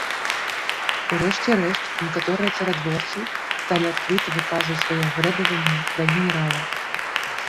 У рэшце рэшт, некаторыя царадворцы сталі адкрыта выказваць сваё грэбаванне да генерала.